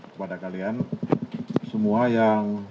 kepada kalian semua yang